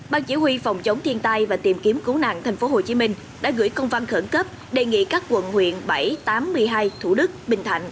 ban chỉ huy phòng chống thiên tai và tìm kiếm cứu nạn tp hcm đã gửi công văn khẩn cấp đề nghị các quận huyện bảy tám một mươi hai thủ đức bình thạnh